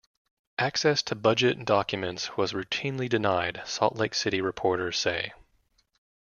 Access to budget documents was routinely denied, Salt Lake City reporters say.